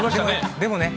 でもね